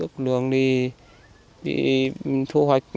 còn đi thu hoạch